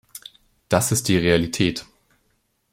Das ist die Realität!